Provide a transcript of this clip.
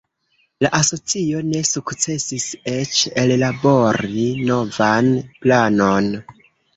La asocio ne sukcesis eĉ ellabori novan planon.